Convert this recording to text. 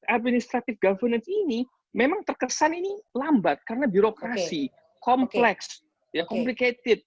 administratif governance ini memang terkesan ini lambat karena birokrasi kompleks complicated